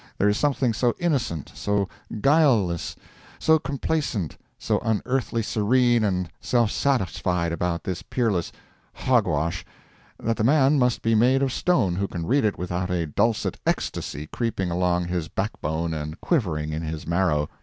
There is something so innocent, so guileless, so complacent, so unearthly serene and self satisfied about this peerless "hogwash," that the man must be made of stone who can read it without a dulcet ecstasy creeping along his backbone and quivering in his marrow.